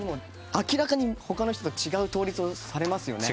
明らかに他の人と違う倒立をされますよね。